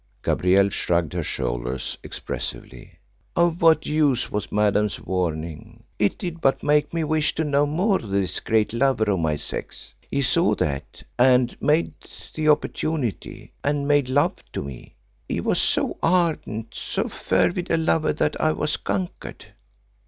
Gabrielle shrugged her shoulders expressively. "Of what use was Madame's warning? It did but make me wish to know more of this great lover of my sex. He saw that, and made the opportunity, and made love to me. He was so ardent, so fervid a lover that I was conquered.